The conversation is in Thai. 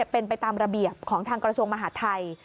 เป็นไปตามระเบียบของทางกระทรวงมหาดไทย